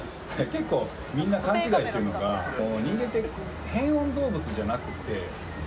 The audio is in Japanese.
結構みんな勘違いしてるのが人間って変温動物じゃなくて恒温動物なんですよね。